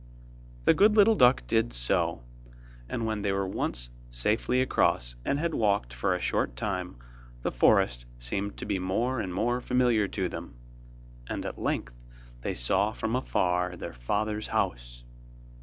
The good little duck did so, and when they were once safely across and had walked for a short time, the forest seemed to be more and more familiar to them, and at length they saw from afar their father's house.